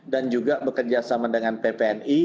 dan juga bekerjasama dengan ppni